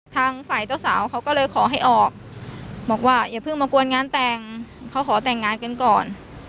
ทางฝ่ายเจ้าสาวเขาก็เลยขอให้ออกบอกว่าอย่าเพิ่งมากวนงานแต่งเขาขอแต่งงานกันก่อน